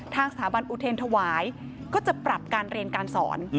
ทางสถาบันอุเทรนธวายก็จะปรับการเรียนการสอน